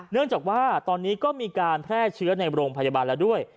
เนื่องจากว่าตอนนี้ก็มีการแพร่เชื้อในโรงพยาบาลแล้วด้วย